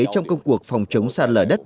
trong công cuộc phòng chống sản lửa đất